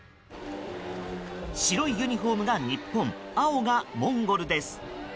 白いユニホームが日本青がモンゴルです。